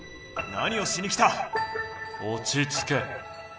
何をしに来た⁉おちつけ。